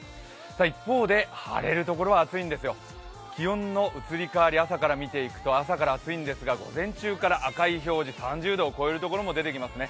一方で晴れるところは暑いんですよる気温の移り変わり、朝から見ていくと朝から暑いんですが、午前中から赤い表示、３０度を超えるところも出てきますね。